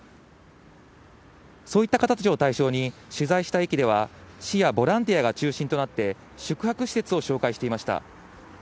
そういった方たちを対象に、取材した駅では、市やボランティアが中心となって、宿泊施設を紹介していました。